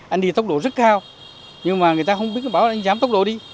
anh đi tốc độ rất cao nhưng mà người ta không biết bảo anh dám tốc độ đi